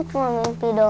jangan nenek kayu